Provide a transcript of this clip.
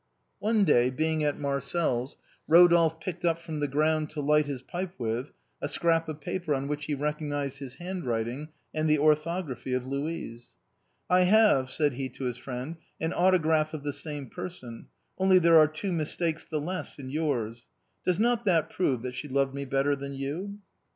One day, being at Marcel's, Rodolphe picked up from the ground to light his pipe with a scrap of paper on which he recognized the hand writing and the orthography of Louise. " I have," said he to his friend, " an autograph of the same person ; only there are two mistakes the less than in yours. Does not that prove that she loved me better than you